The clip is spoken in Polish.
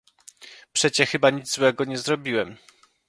"Przecie chyba nic złego nie zrobiłem?"